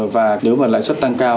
và nếu mà lãi xuất tăng cao